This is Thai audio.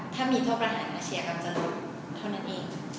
ถ้ามีโทษประหารอาชีพกรรมจะลดเท่านั้นเอง